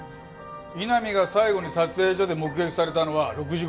井波が最後に撮影所で目撃されたのは６時頃。